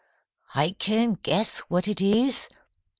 "I can guess what it is.